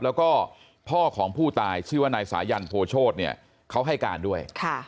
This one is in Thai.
แล้วก็พ่อของผู้ตายชื่อว่านายสายันโพโชธเนี่ยเขาให้การด้วย